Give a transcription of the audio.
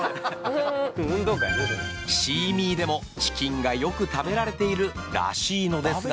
シーミーでもチキンがよく食べられているらしいのですが。